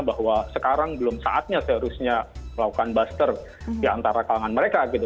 bahwa sekarang belum saatnya seharusnya melakukan buster di antara kalangan mereka gitu